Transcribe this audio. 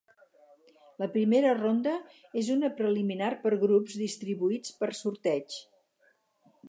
La primera ronda és una preliminar per grups, distribuïts per sorteig.